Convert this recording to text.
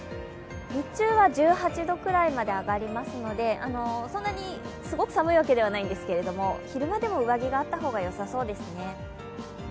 日中は１８度くらいまで上がりますので、そんなにすごく寒いわけではないんですけど、昼間でも上着があった方がよさそうですね。